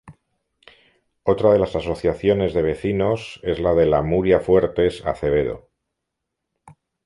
Otra de las Asociaciones de Vecinos es la de la Muria-Fuertes Acevedo.